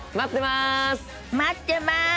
待ってます！